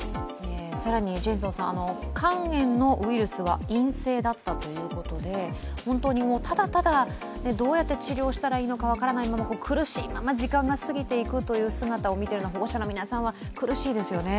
更にジェイソンさん、肝炎のウイルスは陰性だったということで、本当にただただどうやって治療したらいいか分からないまま苦しいまま時間が過ぎていくという姿を見ているのは、保護者の皆さんは苦しいですよね。